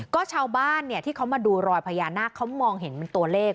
ก็ชาวบ้านที่เขามาดูรอยพญานาคเขามองเห็นเป็นตัวเลข